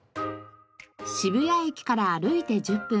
渋谷駅から歩いて１０分。